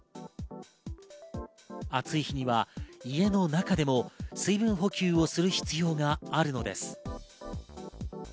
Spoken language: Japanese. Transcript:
暑い日には家の中でも水分補給をする必要があるのです。